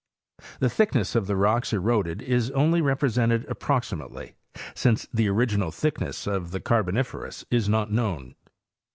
The thickness of the rocks eroded is only represented approxi mately, since the original thickness of the Carboniferous is not known.